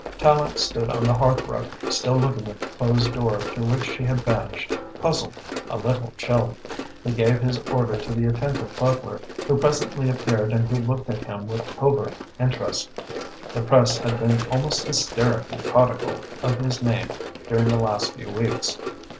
Tallente stood on the hearth rug, still looking at the closed door through which she had vanished, puzzled, a little chilled. He gave his order to the attentive butler who presently appeared and who looked at him with covert interest, the Press had been almost hysterically prodigal of his name during the last few weeks.